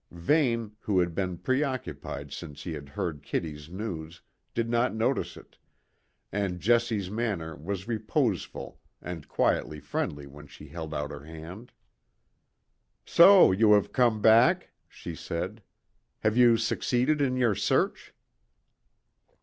Vane, who had been preoccupied since he had heard Kitty's news, did not notice it, and Jessie's manner was reposeful and quietly friendly when she held out her hand. "So you have come back?" she said. "Have you succeeded in your search?"